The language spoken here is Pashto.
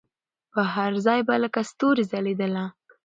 پر هر ځای به لکه ستوري ځلېدله